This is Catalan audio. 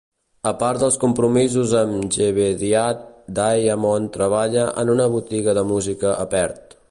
A part dels compromisos amb Jebediah, Daymond treballa en una botiga de música a Perth.